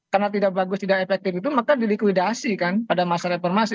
karena tidak bagus tidak efektif itu maka di likuidasi kan pada masa reformasi